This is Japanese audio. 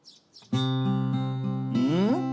うん？